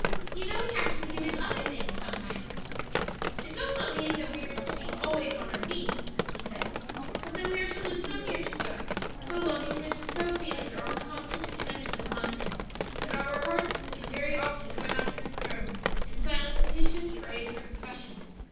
"You know we have to be doing other things sometimes." "It does not mean that we are to be always on our knees," he said; "but that we are to live so near to God, so loving Him, and so feeling our constant dependence upon Him, that our hearts will be very often going up to His throne in silent petition, praise or confession.